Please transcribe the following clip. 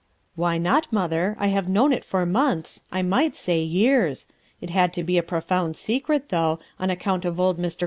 "Why not, mother? I have known it for months, I might say years. It had to be a profound secret, though, on account of old ilr.